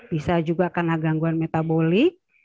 bisa juga karena gangguan metaboli